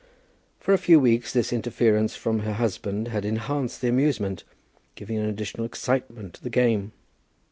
For a few weeks this interference from her husband had enhanced the amusement, giving an additional excitement to the game.